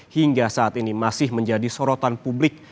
hingga saat ini masih menjadi sorotan publik